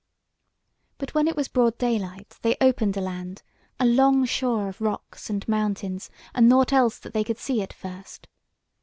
But when it was broad daylight, they opened a land, a long shore of rocks and mountains, and nought else that they could see at first.